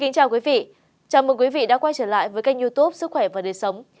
chào mừng quý vị đã quay trở lại với kênh youtub sức khỏe và đời sống